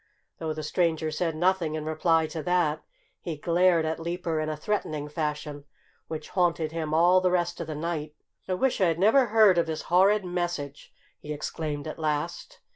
Though the stranger said nothing in reply to that, he glared at Leaper in a threatening fashion which haunted him all the rest of the night. "I wish I had never heard of this horrid message!" he exclaimed at last.